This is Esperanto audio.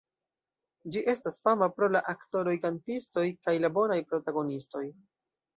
Ĝi estas fama pro la aktoroj-kantistoj kaj la bonaj protagonistoj.